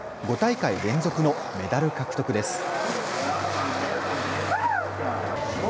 ５大会連続のメダル獲得です。